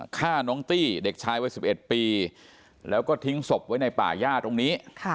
ฆ่าน้องตี้เด็กชายวัย๑๑ปีแล้วก็ทิ้งศพไว้ในป่าย่าตรงนี้